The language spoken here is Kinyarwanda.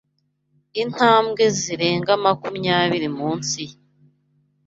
Intambwe zirenga makumyabiri munsi ye